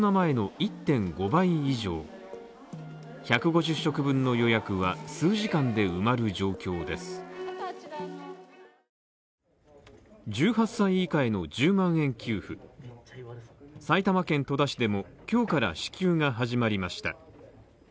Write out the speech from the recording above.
１８歳以下への１０万円給付、埼玉県戸田市でも、今日から支給が始まりました。